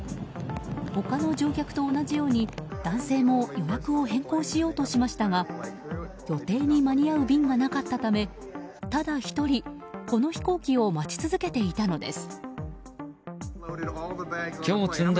他の乗客と同じように、男性も予約を変更しようとしましたが予定に間に合う便がなかったためただ１人、この飛行機を待ち続けていたのです。